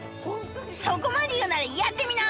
そこまで言うならやってみな！